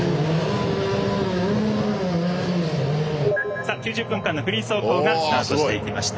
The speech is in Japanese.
さあ９０分間のフリー走行がスタートしていきました。